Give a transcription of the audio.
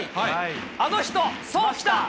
あの人、そう、来た！